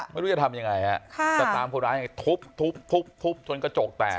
ไม่รู้จะทำยังไงฮะจะตามคนร้ายยังไงทุบทุบจนกระจกแตก